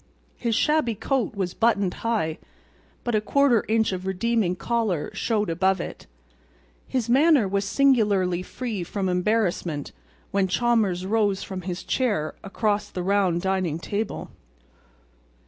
His shabby coat was buttoned high, but a quarter inch of redeeming collar showed above it. His manner was singularly free from embarrassment when Chalmers rose from his chair across the round dining table.